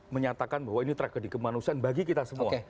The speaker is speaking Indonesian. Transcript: menyatakan bahwa ini tragedi kemanusiaan bagi kita semua